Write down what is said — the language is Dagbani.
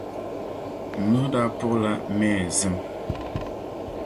N nuhi daa puɣila mɛɛr zim.